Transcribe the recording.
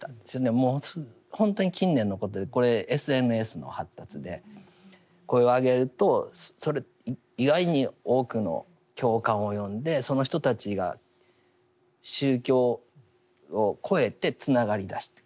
もう本当に近年のことでこれＳＮＳの発達で声を上げるとそれ意外に多くの共感を呼んでその人たちが宗教を超えてつながりだした。